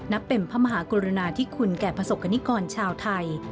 เป็นพระมหากรุณาที่คุณแก่ประสบกรณิกรชาวไทย